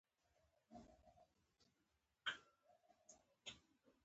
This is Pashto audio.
دواړه د يو بل پر ضد جهاد کوي.